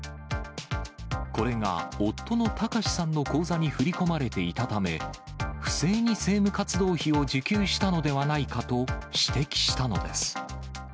これが夫の貴志さんの口座に振り込まれていたため、不正に政務活動費を受給したのではないかと指摘したのです。